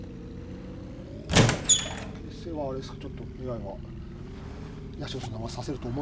形勢はあれですかちょっとＡＩは八代さんの方が指せると思ってるんですか。